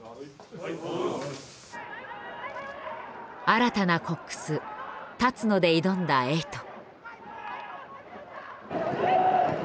新たなコックス立野で挑んだエイト。